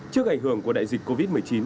trước ảnh hưởng của đại dịch covid một mươi chín